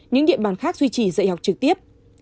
những địa bàn khác duy trì dạy học trực tiếp